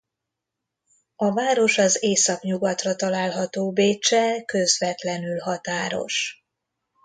A város az északnyugatra található Béccsel közvetlenül határos.